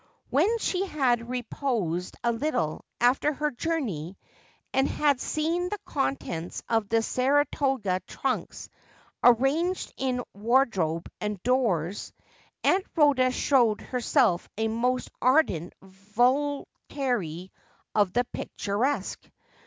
When she had reposed a little after her journey, and had seen the contents of the Saratoga trunks arranged in wardrobe and drawers, Aunt Rhoda showed herstlf a most ardent votary of the picturesque.